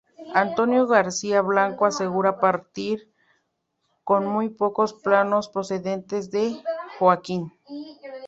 Antonio García Blanco asegura partir con muy pocos planos procedentes de Joaquín.